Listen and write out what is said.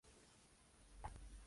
Estípulas deciduas.